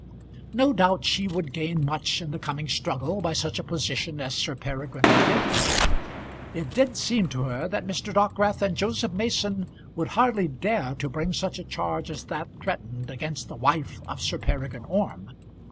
No doubt she would gain much in the coming struggle by such a position as Sir Peregrine would give her. It did seem to her that Mr. Dockwrath and Joseph Mason would hardly dare to bring such a charge as that threatened against the wife of Sir Peregrine Orme.